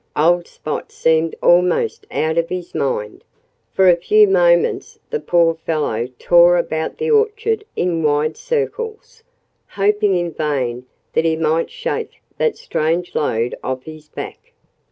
Old Spot seemed almost out of his mind. For a few moments the poor fellow tore about the orchard in wide circles, hoping in vain that he might shake that strange load off his back.